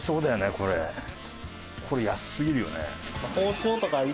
これ安すぎるよね。